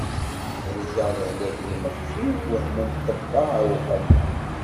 Helkeɣ lehlak d imexfi, wehmen ṭṭebba, ɛewqen.